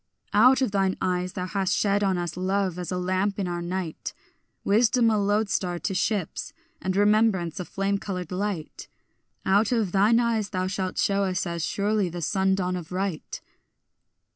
Out of thine eyes thou hast shed on us love as a lamp in our night, Wisdom a lodestar to ships, and remembrance a flame coloured light; Out of thine eyes thou shalt shew us as surely the sun dawn of right.